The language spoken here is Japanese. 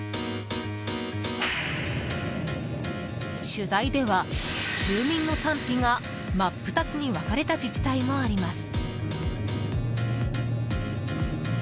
取材では、住民の賛否が真っ二つに分かれた自治体もあります。